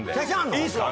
いいですか？